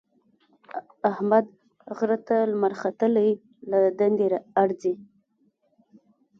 احمد غره ته لمر ختلی له دندې ارځي.